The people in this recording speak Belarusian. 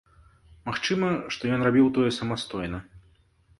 Магчыма, што ён рабіў тое самастойна.